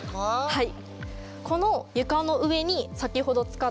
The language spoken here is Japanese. はい。